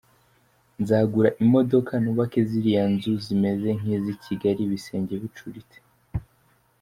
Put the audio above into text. Nzagura imodoka, nubake ziriya nzu zimeze nk’iz’i Kigali, ibisenge mbicurike.